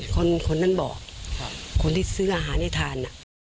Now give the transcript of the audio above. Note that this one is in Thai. คนนั้นบอกคนที่ซื้ออาหารให้ทาน